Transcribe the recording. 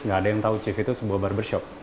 gak ada yang tahu chief itu sebuah barbershop